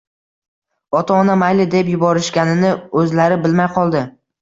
Ota-ona, mayli, deb yuborishganini o‘zlari bilmay qoldi